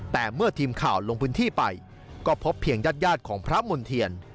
แต่เมื่อทีมข่าวลงพื้นที่ไปก็พบเพียงญาติของพระมณ์เทียน